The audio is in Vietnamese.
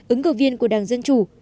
ứng cử viên của đảng dân chủ